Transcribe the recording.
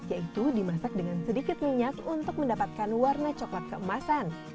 yaitu dimasak dengan sedikit minyak untuk mendapatkan warna coklat keemasan